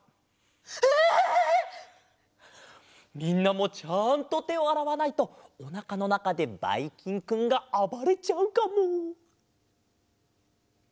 みんなもちゃんとてをあらわないとおなかのなかでばいきんくんがあばれちゃうかも！